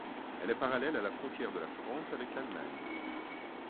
Elle est parallèle à la frontière de la France avec l'Allemagne.